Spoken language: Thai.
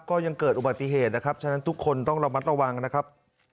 ก็ยังเกิดอุบัติเหตุนะครับฉะนั้นทุกคนต้องระมัดระวังนะครับ